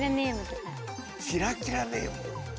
キラキラネーム？